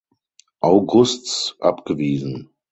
Augusts abgewiesen.